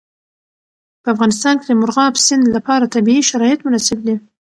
په افغانستان کې د مورغاب سیند لپاره طبیعي شرایط مناسب دي.